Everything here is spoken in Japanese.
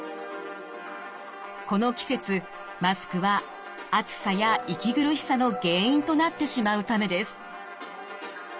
この季節マスクは暑さや息苦しさの原因となってしまうためです。